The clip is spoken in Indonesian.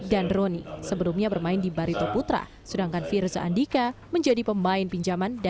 dan roni sebelumnya bermain di barito putra sedangkan firza andika menjadi pemain pinjaman